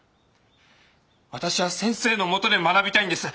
私は先生のもとで学びたいんです。